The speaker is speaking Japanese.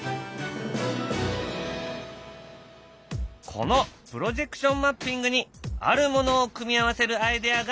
このプロジェクションマッピングにあるものを組み合わせるアイデアがある。